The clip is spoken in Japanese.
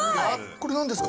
これ何ですか？